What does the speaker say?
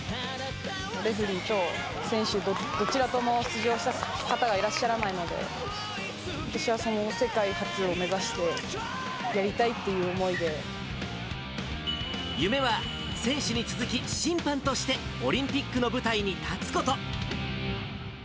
レフェリーと選手、どちらとも出場した方がいらっしゃらないので、私はその世界初を目指して、夢は選手に続き、審判としてオリンピックの舞台に立つこと。